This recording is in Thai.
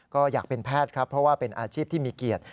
ก็อยากเป็นแพทย์ครับเพราะว่าเป็นอาชีพที่มีเกียรติ